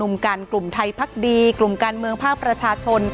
กันกลุ่มไทยพักดีกลุ่มการเมืองภาคประชาชน